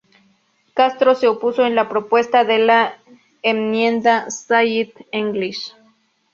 Castro se opuso a la propuesta de la enmienda "Say it In English.